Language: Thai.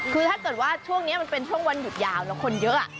คือถ้าเกิดว่าช่วงนี้มันเป็นช่วงวันหยุดยาวแล้วคนเยอะ